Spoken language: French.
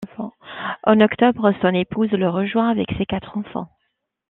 En octobre son épouse le rejoint avec ses quatre enfants.